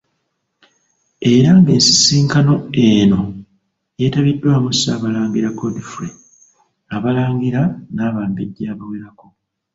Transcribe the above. Era ng' ensisinkano eno yeetabiddwamu Ssaabalangira Godfrey, Abalangira n'Abambejja abawerako.